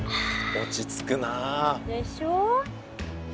落ち着くなあ。でしょ。